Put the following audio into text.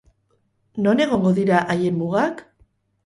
Non egongo dira haien mugak?